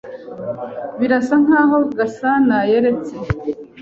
Birasa nkaho Gasana yaretse.